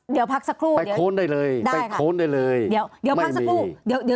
เดี๋ยวพักสักครู่ไปค้นได้เลยไม่มี